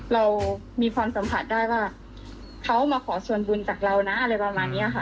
เรามีความสัมผัสได้ว่าเขามาขอส่วนบุญจากเรานะอะไรประมาณนี้ค่ะ